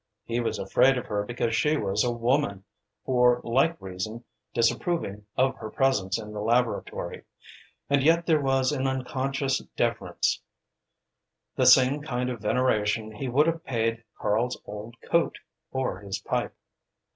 He was afraid of her because she was a woman, for like reason disapproving of her presence in the laboratory, and yet there was an unconscious deference, the same kind of veneration he would have paid Karl's old coat, or his pipe.